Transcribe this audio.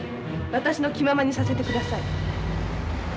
私の気ままにさせてください。